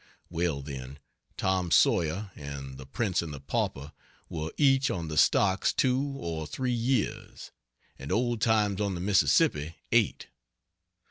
(Well, then, "Tom Sawyer" and "The Prince and the Pauper" were each on the stocks two or three years, and "Old Times on the Mississippi" eight.)